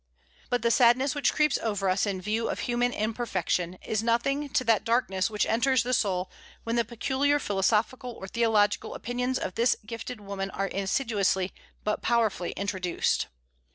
But the sadness which creeps over us in view of human imperfection is nothing to that darkness which enters the soul when the peculiar philosophical or theological opinions of this gifted woman are insidiously but powerfully introduced.